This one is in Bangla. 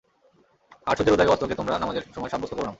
আর সূর্যের উদয় ও অস্তকে তোমরা নামাযের সময় সাব্যস্ত করো না।